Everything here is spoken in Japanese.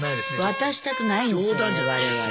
渡したくないんですよ